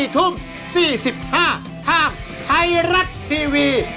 ๔ทุ่ม๔๕ทางไทยรัฐทีวี